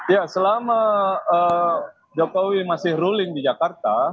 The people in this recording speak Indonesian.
ya selama jokowi masih ruling di jakarta